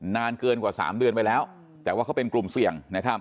นานเกินกว่า๓เดือนไปแล้วแต่ว่าเขาเป็นกลุ่มเสี่ยง